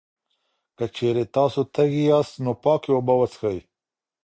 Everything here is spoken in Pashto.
که چېرې تاسو تږی یاست، نو پاکې اوبه وڅښئ.